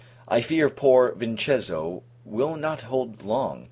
I fear, poor Vincenzo will not hold long.